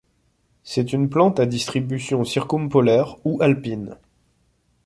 C'est une plante à distribution circumpolaire ou alpine.